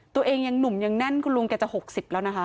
ตัวเองยังหนุ่มยังแน่นคุณลุงแกจะ๖๐แล้วนะคะ